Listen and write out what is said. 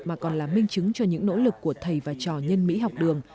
mà còn là minh chứng cho những nỗ lực của thầy và trò nhân mỹ học đường